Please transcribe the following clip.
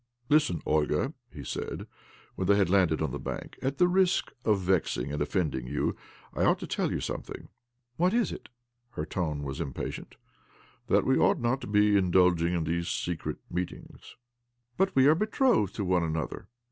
" Listen, Olga," he said when they had landed on the bank. " At the risk of vexing and offending you, I ought to tell you something." 214 OBLOMOV '' What is it ?" Her tone was impatient. " That we ought not to be indulging in these secret meetings." " But we are betrothed to one another?